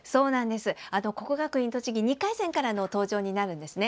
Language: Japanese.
国学院栃木２回戦からの登場になるんですね。